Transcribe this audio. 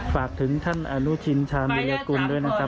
ฝากถึงท่านอนุทินชาญวิรากุลด้วยนะครับ